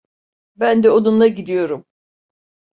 Ben de onunla gidiyorum.